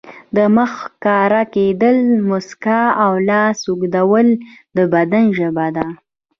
د مخ ښکاره کېدل، مسکا او لاس اوږدول د بدن ژبه ده.